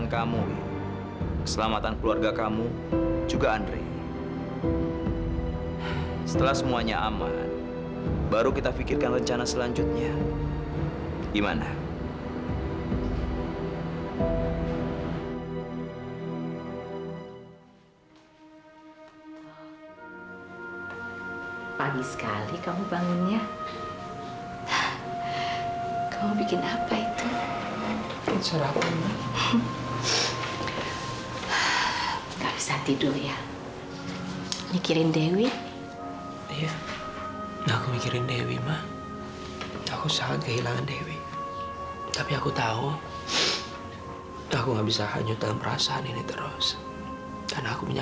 bahkan ancaman dari orang orang itu tidak melunturkan keinginan dia untuk menemukan keluarganya